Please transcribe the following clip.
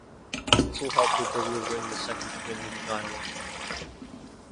This will help with delivering the second twin vaginally.